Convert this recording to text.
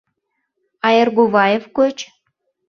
— А Эргуваев гоч?